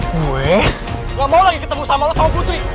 gue gak mau lagi ketemu sama lo sama putri